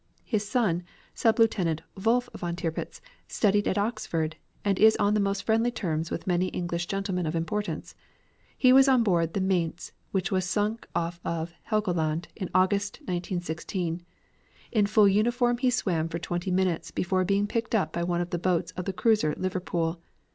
His son, Sub Lieutenant Wolf Von Tirpitz, studied at Oxford, and is on the most friendly terms with many English gentlemen of importance. He was on board the Mainz, which was sunk off Helgoland in August, 1916. In full uniform he swam for twenty minutes, before being picked up by one of the boats of the cruiser Liverpool.